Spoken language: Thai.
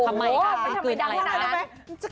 ทำไมทำไมดังงั้น